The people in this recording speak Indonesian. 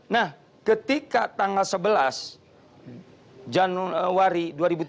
nah ketika tanggal sebelas januari dua ribu tujuh belas